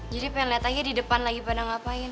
jadi pengen liat aja di depan lagi pada ngapain